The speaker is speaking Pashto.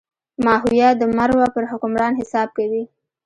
ماهویه د مرو پر حکمران حساب کوي.